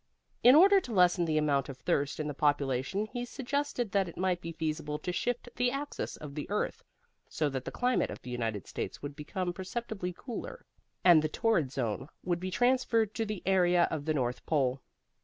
In order to lessen the amount of thirst in the population he suggested that it might be feasible to shift the axis of the earth, so that the climate of the United States would become perceptibly cooler and the torrid zone would be transferred to the area of the North Pole.